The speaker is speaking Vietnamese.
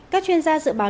các chuyên gia dự báo